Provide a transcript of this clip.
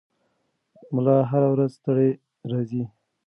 ملا هره ورځ ستړی راځي.